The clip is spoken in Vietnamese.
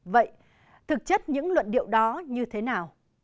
vậy thực chất những luận điệu đó như thế nào